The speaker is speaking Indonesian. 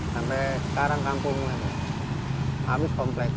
sampai sekarang kampung habis kompleks